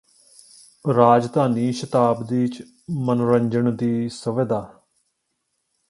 ਰਾਜਧਾਨੀ ਸ਼ਤਾਬਦੀ ਚ ਮਨੋਰੰਜਣ ਦੀ ਸੁਵਿਧਾ